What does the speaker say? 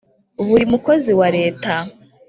buri mukozi wa leta